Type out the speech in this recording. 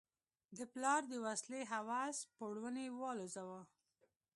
د پلار د وسلې هوس پوړونی والوزاوه.